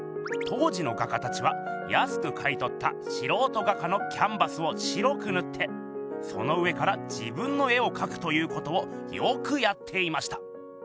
当時の画家たちはやすく買いとったしろうと画家のキャンバスを白くぬってその上から自分の絵をかくということをよくやっていました。